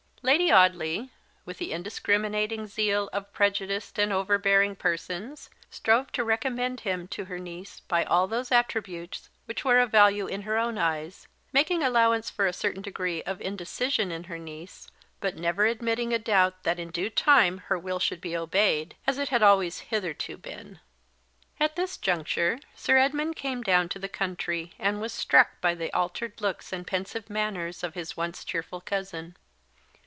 Lady Audley, with the indiscriminating zeal of prejudiced and overbearing persons, strove to recommend him to her niece br all those attributes which were of value in her own eyes; making allowance for a certain degree of in decision in her niece, but never admitting a doubt that in due time her will should be obeyed, as it had always hitherto been. At this juncture Sir Edmund came down to the country, and was struck by the altered looks and pensive manners of his once cheerful cousin.